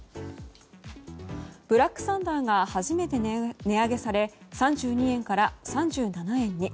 ブラックサンダーが初めて値上げされ３２円から３７円に。